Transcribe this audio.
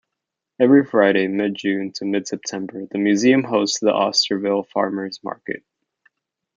Every Friday mid-June to mid-September, the museum hosts the Osterville Farmers' Market.